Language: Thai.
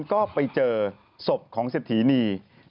มึงเจอศพของเซียทหินี